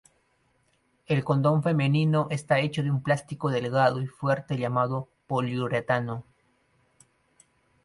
El condón femenino está hecho de un plástico delgado y fuerte llamado poliuretano.